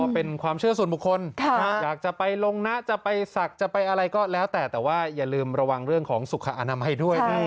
เพราะฉะนั้นตรงนี้ต้องระมัดระวังนะครับ